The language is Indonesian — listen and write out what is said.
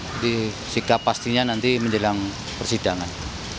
jadi sikap pastinya nanti menjelang persidangan